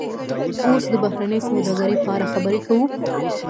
اوس د بهرنۍ سوداګرۍ په اړه خبرې کوو